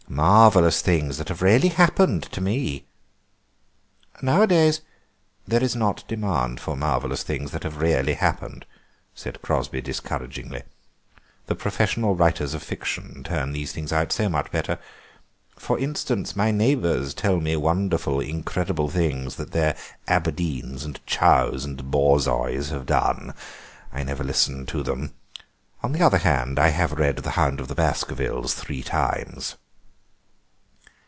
Marvellous things that have really happened to me." "Nowadays there is no demand for marvellous things that have really happened," said Crosby discouragingly; "the professional writers of fiction turn these things out so much better. For instance, my neighbours tell me wonderful, incredible things that their Aberdeens and chows and borzois have done; I never listen to them. On the other hand, I have read 'The Hound of the Baskervilles' three times."